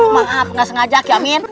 maaf gak sengaja aki amin